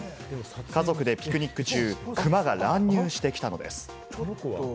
家族でピクニック中、クマが乱入してきたのです。